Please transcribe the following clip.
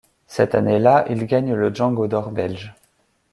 Cette année-là, il gagne le Django d'Or belge.